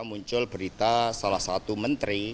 muncul berita salah satu menteri